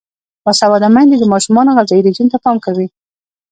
باسواده میندې د ماشومانو غذايي رژیم ته پام کوي.